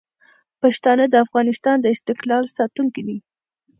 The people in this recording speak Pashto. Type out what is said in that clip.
پښتانه د افغانستان د استقلال ساتونکي دي.